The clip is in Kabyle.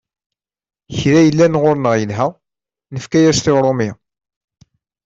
Kra yellan ɣur-neɣ yelha, nefka-as-t i Urumi.